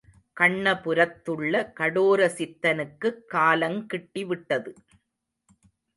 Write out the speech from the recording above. கண்ணபுரத்துள்ள கடோர சித்தனுக்குக் காலங் கிட்டிவிட்டது.